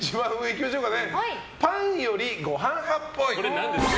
パンよりご飯派っぽい。